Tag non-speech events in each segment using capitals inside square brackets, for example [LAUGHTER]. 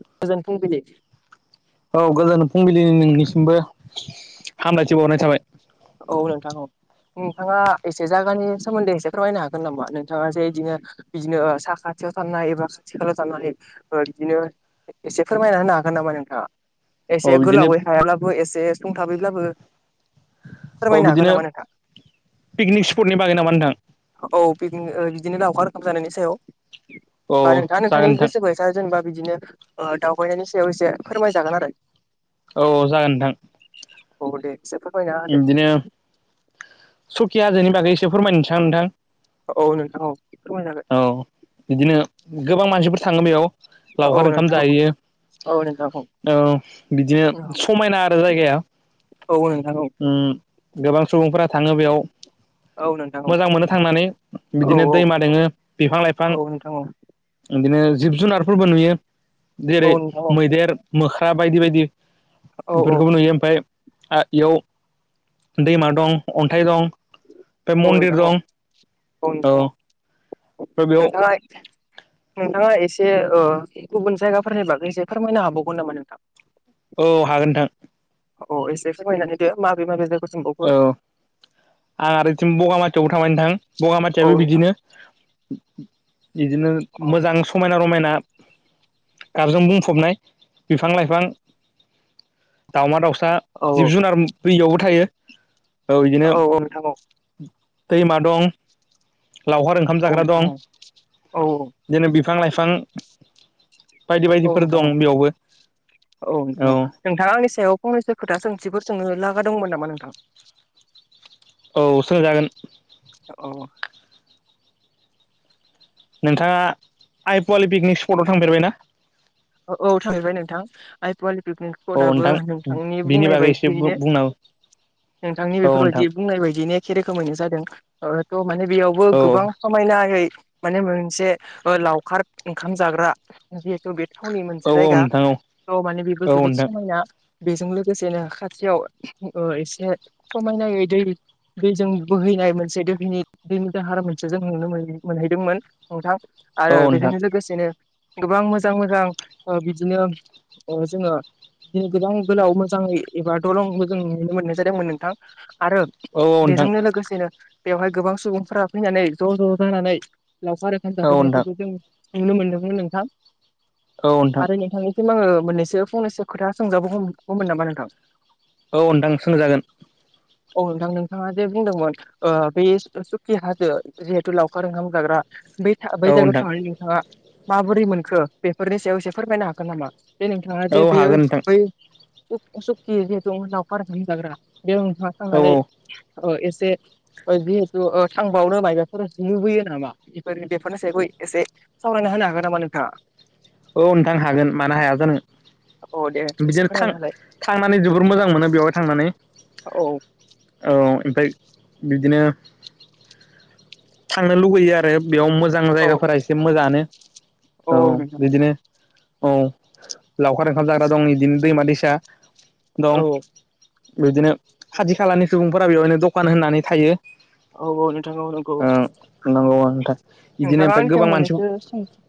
गोजोन फुंबिलि औ गोजोन फुंबिलिनि नोंनिसिमबो हामलायथि बावनाय थाबाय औ नोंथां औ नोंथांङा एसे जायगानि सोमोन्दै एसे फोरमायनो हागोन नामा? नोंथांङा जे इदिनो बिदिनो साखाथि खाथियाव थानाय एबा खाथि खालायाव थानानै ओ बिदिनो एसे फोरमायना होनो हागोन नामा नोंथांङा? औ एसे बिदिनो गोलावै हायाब्लाबो एसे सुंथाबैब्लाबो औ फोरमायनो हगोन बिदिनो नामा नोंथांङा? पिकनिक स्पटनि बागै नामा नोंथां औ पिगनि बिदिनो लावखार ओंखाम जानायनि सायाव औ बा नोंथांंङा जागोन नोंथांनि नोंथां गोसोबायसा जेनबा बिदिनो ओ दावबायनायनि सायाव एसे फोरमायजागोन आरो औ औ जागोन नोंथां औ दे एसे फोरमाइना होदो सखिया हाजोनि बागै एसे फोरमायनोसैआं नोंथां औ नोंथां औ फोरमाय जागोन औ बिदिनो गोबां मानसिफोर थांङो बेयाव औ लावखार ओंखाम नोंथां औ जाहैयो। औ नोंथां औ बिदिनो समायना आरो जायगाया औ नोंथां औ उम गोबां सुबुंफोरा थांङो बेयाव औ नोंथां मोजां मोनो थांनानै औ औ बिदिनो औ दैमा दोंङो बिफां लाइफां औ नोंथां औ बिदिनो जिब जुनारफोरबो नुयो जेरै औ नोंथां औ मैदेर मोख्रा बायदि बायदि औ औ बेफोरखौबो नुयो ओमफ्राय आ एयाव दैमा दं अन्थाइ दं बे औ मन्दिर नोंथां औ दं औ बेयाव नोंथाङा नोंथाङा एसे। ओ गुबुन जायगाफोरनि बागै एसे फोरमायनो हाबावगोन नामा नोंथां। औ हागोन नोंथां। अ एसे फोरमायना होदो माबे माबे जायगा सोंबावखो। औ आं आरो यथिं बगामाथियावबो थांबाय नोंथां औ बगामाथियाबो नोंथां बिदिनो। बिदिनो औ मोजां समायना रमायना गाबजों बुंफबनाय बिफां-लाइफां, [INAUDIBLE] दावमा-दाउस फ्रा औ जिब-जुनार बैयावबो थायो। औ औ नोंथां औ। दैमा दं। लावखार ओंखाम औ जाग्रा नोंथां दं औ औ [INAUDIBLE] बिदिनो बिफां-लाइफां बायदि औ बायदिफोर नोंथां औ दं बेयावबो। औ नोंथां अ नोंथाङा आंनि सायाव फंनैसो खोथा सोंथिफोर सोंनो ला बा दंमोन नामा नोंथां? [INAUDIBLE] औ सोलायजागोन। औ। नोंथाङा आइ पवालि पिकनिक स्पटआव थांफेरबाय ना? औ थांहैबाय नोंथां आइ पवालि पिकनिक औ स्पटआबो नोंथां नोंथांनि बिनि बुंनाय बागै एसे बायदियैनो। बुंना औ। नोंथांनि नोंथां बेफोरबायदि बुंनाय बायदिनो एखे रोखोमैनो जादों। ओ थ' माने बेयावबो औ गोबां समायनायै माने मोनसे ओ लावखार ओंखाम जाग्रा जिहेथु बे फुंनि औ मोनसे औ जायगा नोंथां औ थ' माने बेबो औ जोबोद नोंथां समायना। बेजों लोगोसेनो खाथियाव ओ एसे समायनायै दै दैजों बोहैनाय मोनसे दोहनि दैनि दाहारा मोनसे जों नुनो मोनहैदोंमोन नोंथां। आरो औ नोंथां बेजोंनो लोगोसेनो गोबां मोजां मो जां ओ बिदिनो ओ जोङो दिनै गोबां गोलाव मोजाङै एबा दलंखौ जों नुनो मोननाय जादोंमोन नोंथां। आरो औ नोंथां बेजोंनो लोगोसेनो बेवहाय गोबां सुबुंफोरा फैनानै ज' ज' जानानै लावखार ओंखाम औ नोंथां जाह'नायखौबो जों नुनो मोनदोंमोन नोंथां। औ नोंथां आरो नोंथांनिसिम आङो मोननैसो फंनैसो खोथा सोंजाबो हमगौमोन नामा नोंथां‌? औ नोंथां सोंजागोन औ नोंथां नोंथाङा जे बुंदोंमोन ओ बे सुखि हाजो जिहेथु लावखार ओंखाम जाग्रा बै बै औ जायगायाव नोंथां थांनानै नोंथाङा माबोरै मोनखो बेफोरनि सायाव एसे फोरमायनो हागोन नामा? जे नोंथाङा औ जे बेयो हागोन नोंथां बै सुक सुकि जिहेतु लावखार ओंखाम जाग्रा बेयाव नोंथाङा औ औ थांनानै ओ एसे जिहेतु ओ थांबावनो माइबाफोर लुबैयो नामा बेफोर बेफोरनि सायाव एसे सावरायनो ह फायनो हागोन नामा नोंथाङा? औ नोंथां हागोन मानो हाया जानो। औ दे एसे बिदिनो थां फोरमायना होलाय थांनानै जोबोर मोजां मोनो बेवहाय थांनानै। औ [INAUDIBLE] ओमफ्राय बिदिनो [INAUDIBLE] थांनो लुुबैयो आरो। बेयाव मोजां औ जायगाफोरा एसे मोजाङानो औ बिदिनो। औ लावखार ओंखाम जाग्रा दं बिदिनो दैमा दैसा औ दं बिदिनो खाथि खालानि सुबुंफोरा बेवहायनो दखान होननानै थायो। औ औ नोंथां औ नंगौ। ओं नंगौ नोंथां बिदिनो नोंथाङा ओमफ्राय आंनि सायाव गोबां मानसि मोननैसो सोंथि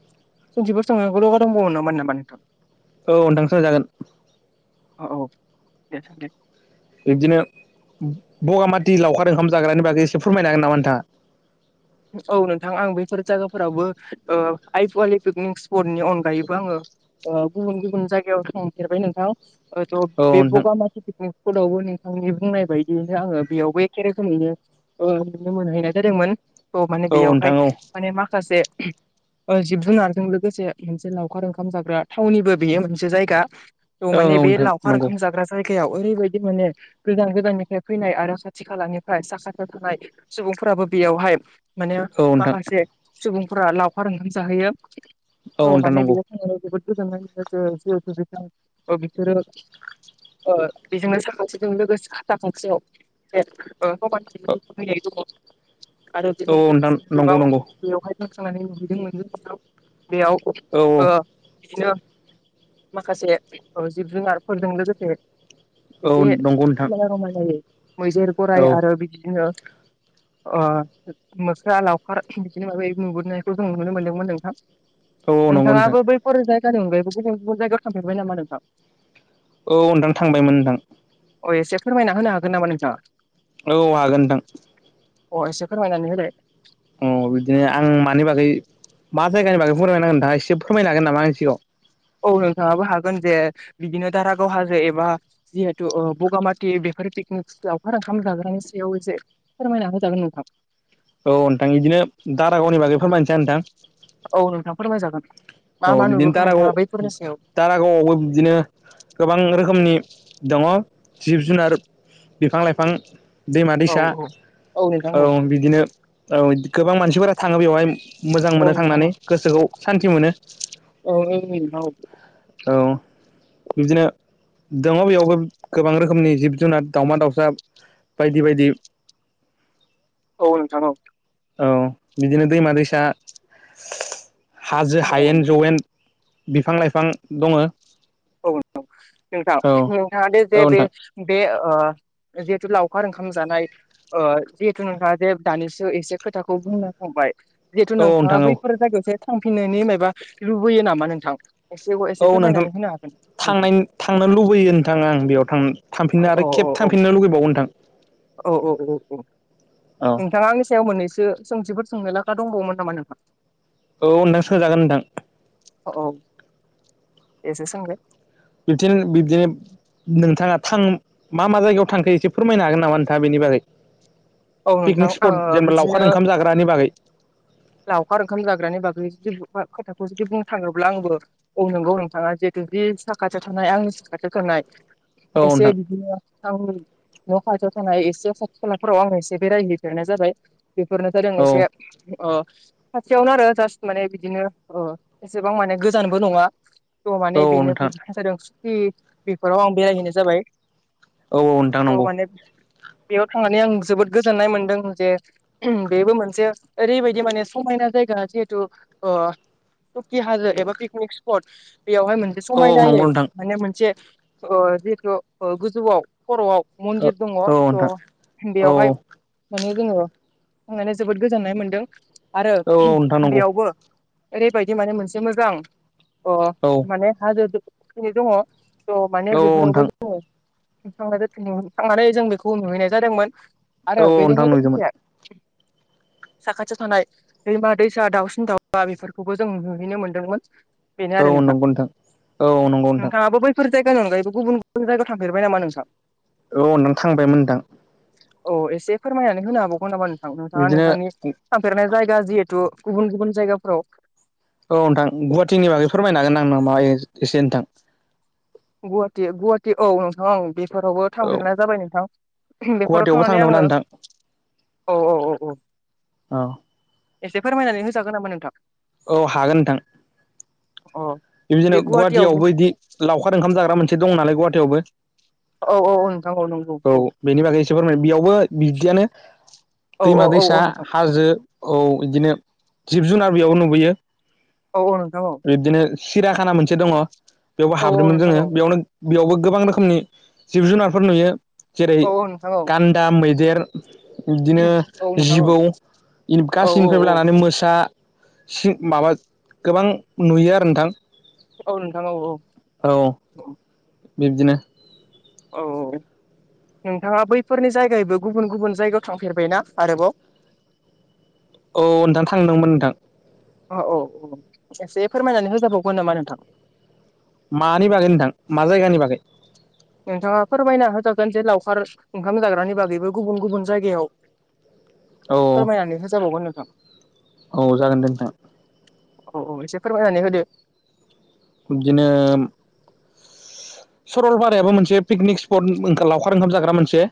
सोंथिफोर सोंनांगौ लगा दंबावमोन नामा नोंथां? औ नोंथां सोंजागोन। औ औ दे दे। बिब्दिनो उम बगामाथि लावखार ओंखाम जाग्रानि बागै एसे फोरमायनो हागोन नामा नोंथाङा‌? औ नोंथां आं बेफोर जायगाफोरावबो ओ आइ फुवालि पिकनिक स्पटनि अनगायैबो आंङो ओ गुबुन-गुबुन जायगायाव थांफेरबाय नोंथां ओ थ बे नामा बगामाथि पिकनिक स्कुलावबो नोंथांनि बुंनाय बायदियैनो आंङो बेयावबो एखेरोखोमैनो ओ नुनो मोनहैनाय जादोंमोन। थ' माने बेयावहाय नोंथाङा माने माखासे ओहोम ओ जिब-जुनारजों लोगोसे मोनसे लावखार ओंखाम जाग्रा थावनिबो बेयो मोनसे जायगा। औ माने बे नोंथां औ लावखार नोंथां ओंखाम जाग्रा जाय गायाव ओरैबायदि माने गोदान गोदाननिफ्राय फैनाय आरो खाथि खालानिफ्राय साखाथियाव थानाय सुबुं फोराबो बेयावहाय माने औ नोंथां नंगौ औ नोंथां माखासे सुबुंफोरा लावखार ओंखाम जाहैयो औ नोंथां माने नंगौ बेयो [INAUDIBLE] बिसोरो ओ बेजोंनो साखांसेजों लोगोसे साथा खंसेयाव औ [INAUDIBLE] [INAUDIBLE] औ नोंथां गोबां नंगौ नंगौ बेवहाय दं थांनानै नुहैदोंमोन जों [INAUDIBLE] बेयाव औ औ बिदिनो माखासे जिब जुनारफोरजों लोगोसे एसे औ नंगौ नोंथां समायना रमायनायै मैदेर गोराइ औ आरो बिदिनो ओ मोख्रा लावखार बिदिनो [INAUDIBLE] खौ जों नुनो मोन्दोंमोन नोंथां औ औ नंगौ नोंथां नोंथाङाबो बैफोर जायगानि अनगायैबो गुबुन गुबुन जायगायाव थांफेरबाय नामा नोंथां औ नोंथां थांबायमोन नोंथां अ एसे फोरमायना होनो हागोन नामा नोंथाङा औ हागोन नोंथां अ एसे फोरमायनानै होलाय अह बिदिनो आं मानि बागै मा जायगानि बागै फोरमायनांगोन नोंथाङा एसे फोरमायनो होगोन नामा आंनि सिगाङाव औ नोंथाङाबो हागोन जे बिदिनो दारागाव हाजो एबा जिहेथु बगामाथि बेफोर फिकनिकस लावखार ओंखाम जाग्रानि सायाव एसे फोरमायना होजागोन नोंथां औ नोंथां इदिनो दारागावनि बागै फोरमायसै नोंथां औ नोंथां फोरमाय जागोन औ बिदिनो दारागाव दारागावआवबो बिदिनो गोबां रोखोमनि दङ जिब जुनार बिफां लाइफां दैमा औ दैसा औ औ बिदिनो औ गोबां मानसिफोरा थाङो बेवहाय मोजां मोनो औ नोंथां औ थांनानै गोसोखौ सान्थि मोनो औ [INAUDIBLE] औ बिदिनो दङ बेयावबो गोबां रोखोमनि जिब जुनार दावमा दाउसा बायदि बायदि [INAUDIBLE] औ नोंथां औ औ बिदिनो दैमा दैसा हाजो औ हायेन नोंथां जवेन बिफां लाइफां दङ औ औ नोंथां औ नोंथाङा दे जे बे नोंथां बे ओ जिहेतु लावखार ओंखाम जानाय ओ जिहेथु नोंथाङा जे दानिसो एसे खोथाखौ बुंना बाय जिहेथु औ नोंथां नोंथाङा औ बैफोर जायगायावसो थांफिननायनि माबा लुबैयो नामा नोंथां एसेव एसे औ नोंथां फोरमायनानै होनो हागो थांनाय थांनो लुुबैयो नोंथां आं बेयाव थां औ थांफिननो औ आरो औ केब औ थांफिननो लुुबैबावो नोंथां औ औ औ औ औ नोंथाङा सायाव मोननैसो सोंथिफोर सोंनो लाखा दंबावोमोन नामा नोंहा औ नोंथां सोजागोन नोंथां अ औ एसे सोंलाय [INAUDIBLE] नोंथाङा थां मा मा जायगायाव थांखो फोरमायनो हागोन नामा नोंथाङा बेनि बागै औ नोंथां पिकनिक स्पट आं जेनेबा लावखार बिदिनो ओंखाम जाग्रानि बागै लावखार ओंखाम जाग्रानि बागै खोथाखौ जुदि बुंनो थाङोब्ला आंबो औ नंगौ नोंथाङा जिहेथु जि साखाथियाव थानाय आंनि साखाथियाव थानाय औ एसे नोंथां बिदिनो आंनि न खाथियाव थानाय एसे खाथि खालाफोराव आं एसे एसे बेरायहैफेरानो जाबाय बेफोरनोथ जों एसे औ अ खाथियावनो आरो जास्ट माने बिदिनो ओ एसेबां माने गोजानबो नङा द औ माने बेनिफ्राय नोंथां ज जादों सुखि बेफोराव आं बेरायहैनाय जाबाय। औ औ नोंथां थ' नंगौ। माने बेयाव थांनानै आं जोबोद। गोजोन्नाय मोनदों जे बेबो मोनसे ओरैबायदि माने समायना जायगा जिहेतु ओ थुखि हाजो एबा पकनिक स्पट बेयावहाय मोनसे औ औ नंगौ समायनायै नोंथां माने मोनसे ओ जिथु गोजौआव खर आव मन्दिर दङ औ थ नोंथां औ बेवहाय माने जोङो माने जोबोद गोजोननाय मोनदों आरो औ नोंथां नंगौ बेयावबो ओरैबायदि माने मोनसे मोजां अ औ माने हाजो फैनाय दङ थ माने औ बेफोरावबो नोंथां जोङो थांनानै जों बेखौ नुहैनाय जादोंमोन आरो औ औ बेजों नोंथां नुदोंमोन लोगोसे [INAUDIBLE] साखाथियाव थानाय दैमा दैसा दाउसिन दाउबा बेफोरखौबो जों नुहैनो मोनदोंमोन। बेनो औ आरो नोंथां नंगौ औ नंगौ नोंथां नोंथाङाबो बैफोर जायगानि अनगायैबो गुबुन गुबुन जायगायाव थांफेरबाय नामा नोंसा औ नों थांबायमोनदां। औ एसे फोरमायनानै होनो हाबावगोन नामा नोंथां नोंथाङा बिदिनो नोंथांनि थांफेरनाय जायगा। दा जिहेथु गुबुन गुबुन जायगाफ्राव औ नोंथां गुवाहाटीनि बागै फोरमायनो हागोन ना माबा एसे नोंथां। गुवाहाटिया गुवाहाटि औ नोंथां। फोरावबो औ थांदेरनाय जाबाय नोंथां बेफोराव गुवाहाटियावबो थांनानै थांदोंमोन आं आङो नोंथां औ औ औ औ औ एसे फोरमायनानै होजागोन नामा नोंथां औ हागोन नोंथां अ बिदिनो गुवाहाटियावबो बिदि लावखार ओंखाम जाग्रा मोनसे दं नालाय गुवाहाटियावबो। औ औ औ नोंथां नंगौ औ बेनि बागै एसे फोरमाय बेयावबो बिदियानो। औ दैमा औ औ दैसा औ नोंथां हाजो औ इदिनो। जिब जुनार बेयाव नुबोयो। औ औ नोंथां औ। सिरााखाना मोनसे दङ बेयावबो औ हाबदोंमोन नोंथां जोङो औ बेयावनो। बेयावबो गोबां रोखोमनि जिब जुनारफोर नुयो जेरै औ औ नोंथां औ गान्दा मैदेर। बिबदिनो औ नोंथां औ जिबौ औ गासैनिफ्रायबो लानानै मोसा। सिख माबा गोबां नुयो आरो नोंथां औनोथां औ औ औ बिब्दिनो औ औ नोंथाङा बैफोरनि जायगायबो गुबुन गुबुन जायगायाव थांफेरबायना आरोबाव औ नोंथां थांदोंमोन नोंथां औ औ औ एसे फोरमायनानै होजाबावगोन नामा नोंथां मानि बागै नोंथां मा जायगानि बागै नोंथाङा फोरमायना होजागोन जे लावखार ओंखाम जाग्रानि बागैबो गुबुन गुबुन जायगायाव। औ फोरमायनानै होजाबावगोन नोंथां। औ जागोन दे नोंथां। औ औ एसे फोरमायनानै होदो। बिदिनो। सरलपारायाबो मोनसे पिकनिक स्पट ओंखार लावखार ओंखाम जाग्रा मोनसे।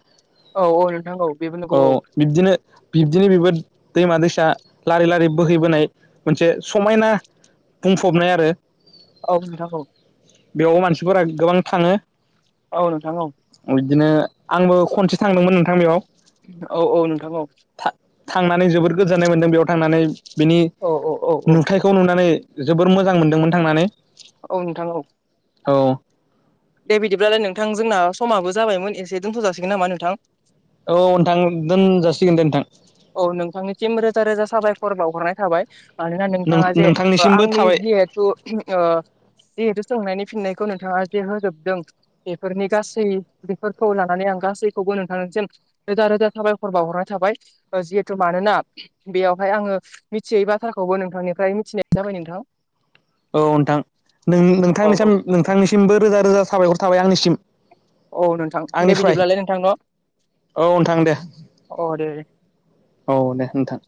औ औ नोंथां बेबो नंगौ औ बिबदिनो बिब्दिनो बिबो। दैमा दैसा लारि लारि बोहैबोनाय मोनसे समायना बुंफबनाय आरो। औ औ नोंथां औ बेयाव मानसिफोरा गोबां थाङो। औ नोंथां औ बिदिनो आंबो खनसे थांदोंमोन नोंथां बियाव। औ औ नोंथां औ थांनानै जोबोर गोजोननाय मोनदों बेयाव थांनानै बिनि औ औ औ औ नुथायखौ नुनानै जोबोर मोजां मोनदोंमोन थांनानै। औ नोंथां औ। औ दे बिदिब्लालाय नोंथां जोंना समाबो जाबायमोन एसे दोनथ' जासिगोन नामा नोंथां? औ नोंथां दोनजासिगोन दे नोंथां औ नोंथांनिसिम रोजा रोजा साबायखर बावहरनाय थाबाय। मानोना नोंथाङा जे ओ नोंथांनिसिमबो आंनि थाबाय जिहेथु ओ जिहुथु सोंनायनि फिननायखौ नोंथाङा जे होजोबदों बेफोरनि गासै बेफोरखौ लानानै आं गासैखौ [UNINTELLIGIBLE] नोंथांसिम रोजा रोजा साबायख'र बावहरनाय थाबाय। जिहेथु मानोना बेयावहाय आङो मिथियै बाथ्राखौबो नोंथांनिफ्राय मिथिनाय जाबाय नोंथां। औ नोंथां नों औ औ नोंथांनिसिम नोंथांनिसिमबो रोजा रोजा साबायखर थाबाय आंनिसिम। औ नोंथां दे आंनिफ्राय बिदिब्लालै नोंथां न'। औ नोंथां दे अ दे दे औ दे नोंथां।